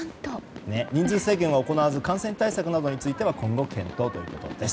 人数制限は行わず感染対策については今後検討ということです。